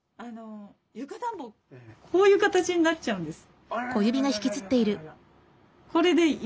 こういう形になっちゃうんです。